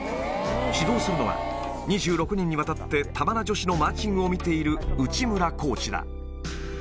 指導するのは、２６年にわたって、玉名女子のマーチングを見ている内村コーチだ。